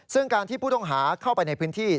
ซึ่งการที่ผู้ต้องหาเข้าไปในพื้นที่